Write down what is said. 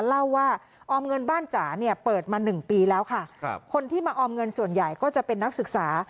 เล่าว่าออมเงินบ้านจ๋าเนี่ยเปิดมาหนึ่งปีแล้วค่ะครับคนที่มาออมเงินส่วนใหญ่ก็จะเป็นนักศึกษา